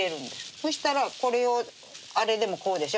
そしたらこれをあれでもこうでしょ？